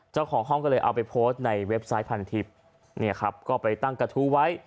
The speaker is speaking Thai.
เจ้าของห้องก็เลยเอาไปโพสต์ในเว็บไซต์พันทิพย์เนี่ยครับก็ไปตั้งกระทู้ไว้